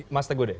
mas teguh deh